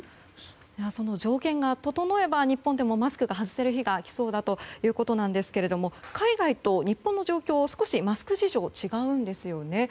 その条件が整えば日本でもマスクが外せる日が来そうだということですが海外と日本の状況だとマスク事情が違うんですね。